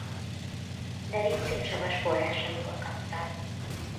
Nevét szénsavas forrásairól kapta.